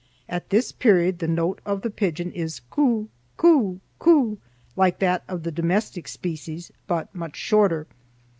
At this period the note of the pigeon is coo coo coo, like that of the domestic species but much shorter.